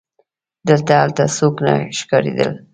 دلته هلته څوک نه ښکارېدل.